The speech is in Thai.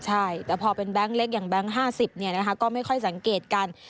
ใช่แต่พอเป็นแบงค์เล็กอย่างแบงค์๕๐ก็ไม่ค่อยสังเกตกัน